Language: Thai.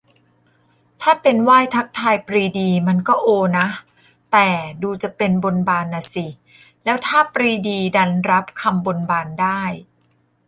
ถ้าเป็นไหว้ทักทายปรีดีมันก็โอนะ แต่ดูจะเป็นบนบานน่ะสิ แล้วถ้าปรีดีดันรับคำบนบานได้